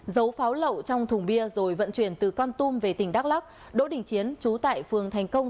giấu pháo lậu trong thùng bia rồi vận chuyển từ can tum về tỉnh đắk lắc đỗ đỉnh chiến trú tại phường thành công